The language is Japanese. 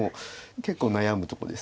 結構悩むとこです。